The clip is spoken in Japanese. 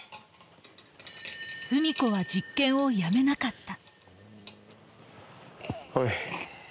風美子は実験をやめなかった。